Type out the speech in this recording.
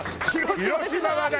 広島は何？